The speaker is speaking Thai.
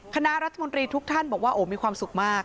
คณะรัฐมนตรีทุกท่านบอกว่าโอ้มีความสุขมาก